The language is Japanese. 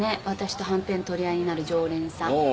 私とはんぺん取り合いになる常連さん。